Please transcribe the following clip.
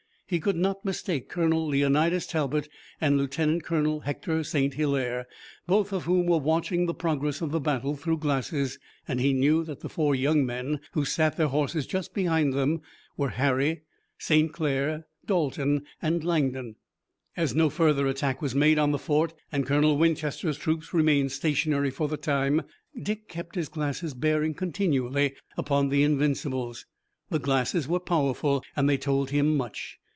He could not mistake Colonel Leonidas Talbot and Lieutenant Colonel Hector St. Hilaire, both of whom were watching the progress of the battle through glasses, and he knew that the four young men who sat their horses just behind them were Harry, St. Clair, Dalton and Langdon. As no further attack was made on the fort, and Colonel Winchester's troop remained stationary for the time, Dick kept his glasses bearing continually upon the Invincibles. The glasses were powerful and they told him much.